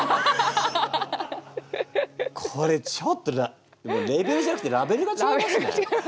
これちょっとレベルじゃなくてラベルがちがいますね。